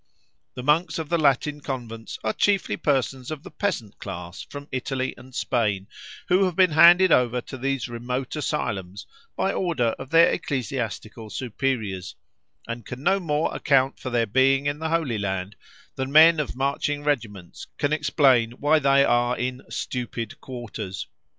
The monks of the Latin convents are chiefly persons of the peasant class from Italy and Spain, who have been handed over to these remote asylums by order of their ecclesiastical superiors, and can no more account for their being in the Holy Land, than men of marching regiments can explain why they are in "stupid quarters."